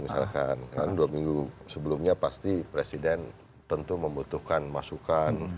misalkan karena dua minggu sebelumnya pasti presiden tentu membutuhkan masukan